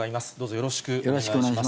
よろしくお願いします。